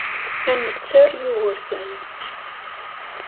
Ad netter Yugurten.